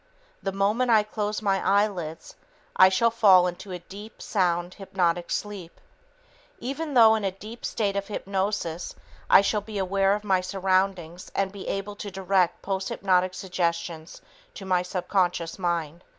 The moment I close my eyelids, I shall fall into a deep, sound, hypnotic sleep ... Even though in a deep state of hypnosis, I shall be aware of my surroundings and be able to direct posthypnotic suggestions to my subconscious mind."